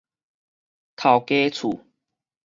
頭家厝